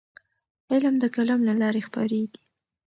علم د قلم له لارې خپرېږي.